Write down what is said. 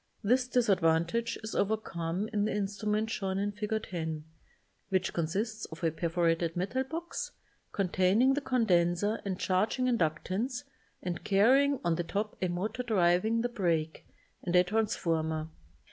This disadvantage is overcome in the in strument shown in Fig. 10, which consists of a perforated metal box containing the condenser and charging inductance and carrying on the top a motor driving the break, and a transformer.